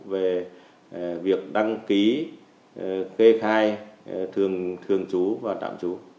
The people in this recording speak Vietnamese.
về việc đăng ký kê khai thường chú và tạm chú